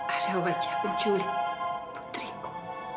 ada wajah bu juli putriku